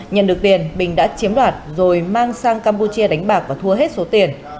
nhận được tiền bình đã chiếm đoạt rồi mang sang campuchia đánh bạc và thua hết số tiền